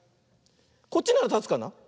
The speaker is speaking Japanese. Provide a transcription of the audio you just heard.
こっちならたつかな。